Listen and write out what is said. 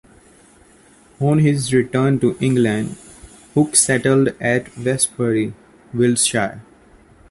On his return to England, Hook settled at Westbury, Wiltshire.